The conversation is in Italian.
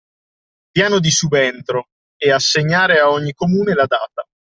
“Piano di subentro” e assegnare a ogni Comune la data